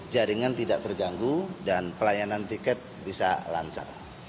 jaringan tidak terganggu dan pelayanan tiket bisa lancar